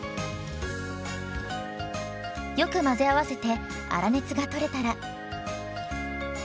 よく混ぜ合わせて粗熱がとれたら。